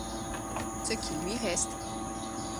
Ce qui lui reste?